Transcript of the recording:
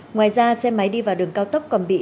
ngoài ra xe máy đi vào đường cao tốc còn bị